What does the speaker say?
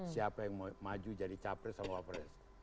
siapa yang mau maju jadi capres sama wapres